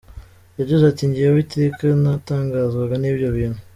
Yagize ati “Njyewe iteka natangazwaga n’ibyo bintu.